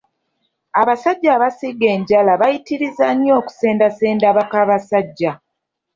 Abasajja abasiiga enjala bayitiriza nnyo okusendasenda bakabasajja.